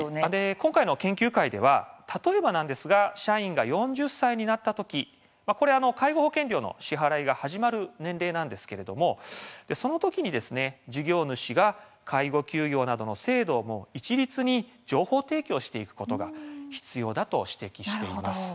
今回の研究会では例えば社員が４０歳になった時これは介護保険料の支払いが始まる年齢なんですが、その時に事業主が介護休業などの制度を一律に情報提供していくことが必要だと指摘しています。